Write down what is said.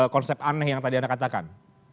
konsep aneh yang tadi anda katakan